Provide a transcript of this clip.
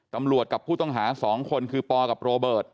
กำลวดกับผู้ต้องหาสองคนคือปกับโรเบิร์ต